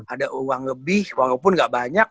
ada uang lebih walaupun gak banyak